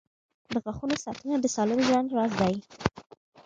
• د غاښونو ساتنه د سالم ژوند راز دی.